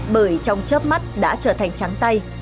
bởi trong chấp mắt đã trở thành trắng tay